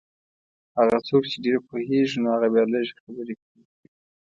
هغه څوک چې ډېر پوهېږي نو هغه بیا لږې خبرې کوي.